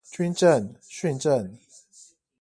軍政、訓政